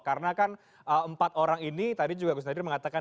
karena kan empat orang ini tadi juga gus nazir mengatakan